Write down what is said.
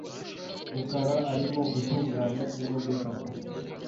rukara arimo gutunganya imodoka .